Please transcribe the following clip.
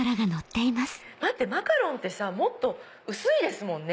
待ってマカロンってさもっと薄いですもんね。